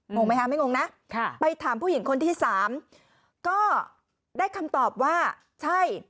งงไหมคะไม่งงนะไปถามผู้หญิงคนที่สามก็ได้คำตอบว่าใช่